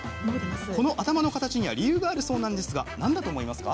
この頭の形には理由があるそうなんですが何だと思いますか？